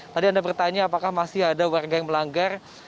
tadi anda bertanya apakah masih ada warga yang melanggar